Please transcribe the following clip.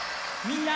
みんな！